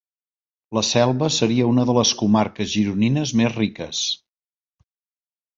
La Selva seria una de les comarques Gironines més riques.